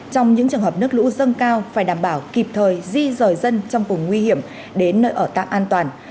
trong những trường hợp nước lũ dâng cao phải đảm bảo kịp thời di rời dân trong vùng nguy hiểm đến nơi ở tạm an toàn